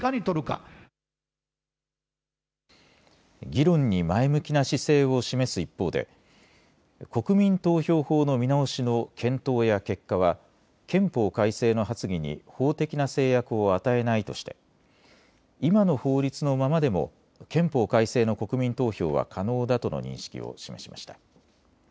議論に前向きな姿勢を示す一方で国民投票法の見直しの検討や結果は憲法改正の発議に法的な制約を与えないとして今の法律のままでも憲法改正の国民投票は可能だとの認識を示しました。